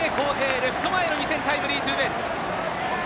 レフト前の２点タイムリーツーベース。